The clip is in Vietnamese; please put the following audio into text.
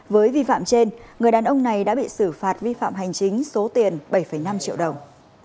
với vi phạm trên người đàn ông này đã bị xử phạt vi phạm hành chính số tiền bảy năm triệu đồng